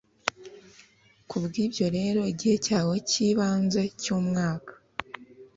kubwibyo rero igihe cyawe cyibanze cyumwaka